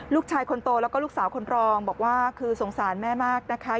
ลูกชายคนโตแล้วก็ลูกสาวคนรองบอกว่าคือสงสารแม่มากนะคะ